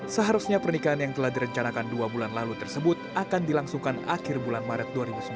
seharusnya pernikahan yang telah direncanakan dua bulan lalu tersebut akan dilangsungkan akhir bulan maret dua ribu sembilan belas